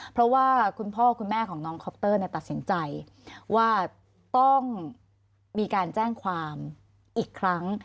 เพราะว่าคุณพ่อคุณแม่ของน้องคอปเตอร์ตัดสินใจว่าต้องมีการแจ้งความอีกครั้ง